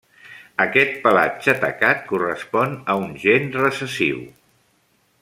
Aquest pelatge tacat correspon a un gen recessiu.